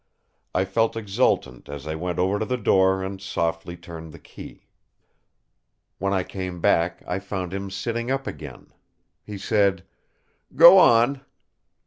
I felt exultant as I went over to the door and softly turned the key. When I came back I found him sitting up again. He said: "Go on!"